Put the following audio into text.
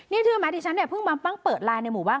นี่ถึงแมทที่ฉันเนี่ยเพิ่งปั้งเปิดไลน์ในหมู่บ้าน